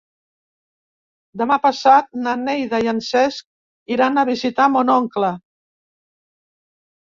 Demà passat na Neida i en Cesc iran a visitar mon oncle.